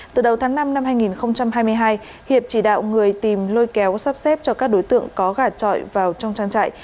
từ đầu tháng năm năm hai nghìn hai mươi hai hiệp chỉ đạo người tìm lôi kéo sắp xếp cho các đối tượng có gà trọi vào trong trang trại